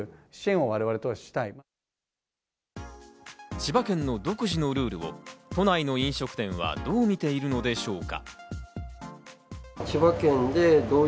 千葉県の独自のルールを都内の飲食店はどう見ているのでしょうか。